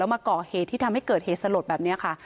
มาก่อเหตุที่ทำให้เกิดเหตุสลดแบบนี้ค่ะ